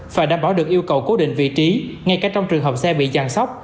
và đảm bảo được yêu cầu cố định vị trí ngay cả trong trường hợp xe bị giàn sóc